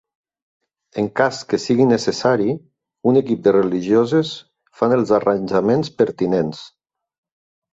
En cas que sigui necessari, un equip de religioses fan els arranjaments pertinents.